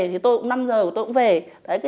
thì năm giờ của tôi cũng về